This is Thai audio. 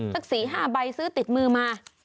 สัก๔๕ใบซื้อติดมือมา